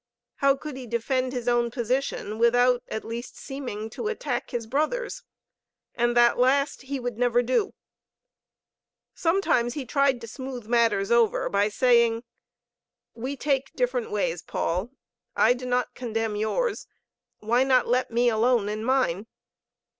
How could he defend his own position without at least seeming to attack his brother's? And that last he would never do. S6metimes he tried to smooth matters over by saying: "We take different ways, Paul. I do not condemn yours. Why not let me alone in mine?"